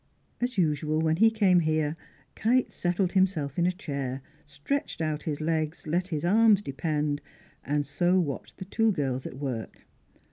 As usual when he came here, Kite settled himself in a chair, stretched out his legs, let his arms depend, and so watched the two girls at work.